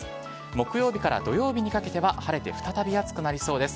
木曜日から土曜日にかけては、晴れて再び暑くなりそうです。